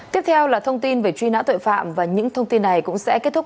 tiếp theo là thông tin về truy năng